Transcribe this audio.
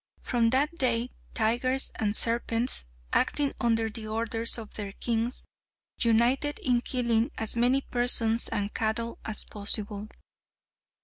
From that day tigers and serpents, acting under the orders of their kings, united in killing as many persons and cattle as possible.